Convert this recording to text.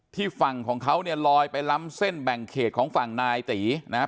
ฝั่งของเขาเนี่ยลอยไปล้ำเส้นแบ่งเขตของฝั่งนายตีนะฮะ